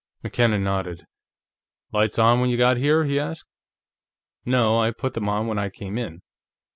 McKenna nodded. "Lights on when you got here?" he asked. "No; I put them on when I came in.